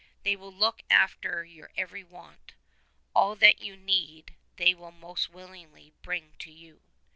They will look after your every want; all that you need they will most willingly bring to you."